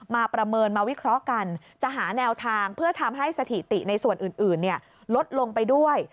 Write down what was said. ประเมินมาวิเคราะห์กันจะหาแนวทางเพื่อทำให้สถิติในส่วนอื่นลดลงไปด้วย